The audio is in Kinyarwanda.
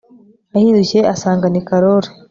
Ahindukiye asanga ni karori